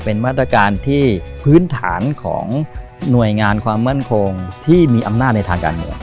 เป็นมาตรการที่พื้นฐานของหน่วยงานความมั่นคงที่มีอำนาจในทางการเมือง